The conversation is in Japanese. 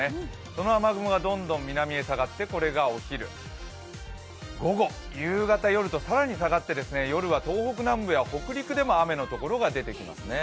その雨雲がどんどん南へ下がって、これがお昼、午後、夕方、夜と、更に下がって夜は東北南部や北陸でも雨の所が出てきますね。